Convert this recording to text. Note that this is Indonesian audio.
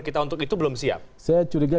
kita untuk itu belum siap saya curiga